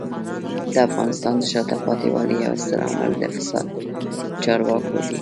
د افغانستان د شاته پاتې والي یو ستر عامل د فسادي چارواکو دی.